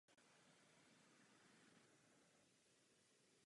V sedmdesátých letech účinkoval v televizních reklamách na pivo Miller Lite.